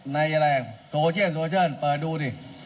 ในโซเชียลโซเชียลเปิดดูดิ